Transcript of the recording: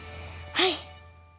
はい！